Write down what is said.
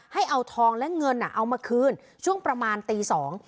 ให้เอาทองและเงินอ่ะเอามาคืนช่วงประมาณตีสอง